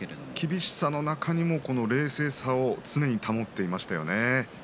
厳しさの中にも冷静さを常に保っていましたよね。